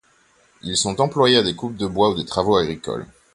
Ils sont employés à des coupes de bois ou des travaux agricoles.